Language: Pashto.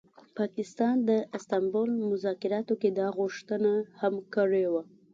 پاکستان د استانبول مذاکراتو کي دا غوښتنه هم کړې وه